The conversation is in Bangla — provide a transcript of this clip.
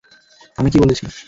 আমি কী বলেছি?